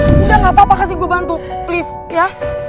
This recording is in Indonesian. sudah gak apa apa kasih gue bantu please ya